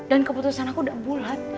dan keputusan aku udah bulat